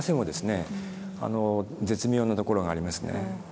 絶妙なところがありますね。